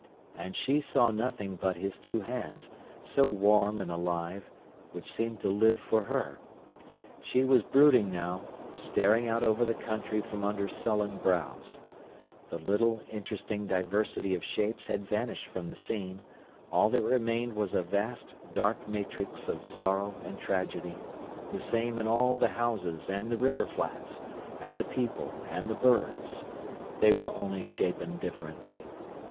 And she saw nothing but his two hands, so warm and alive, which seemed to live for her. He was brooding now, staring out over the country from under sullen brows. The little, interesting diversity of shapes had vanished from the scene; all that remained was a vast, dark matrix of sorrow and tragedy, the same in all the houses and the river flats and the people and the birds; they were only shapen differently.